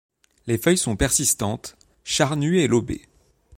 Les feuilles sont persistantes, charnues et lobées.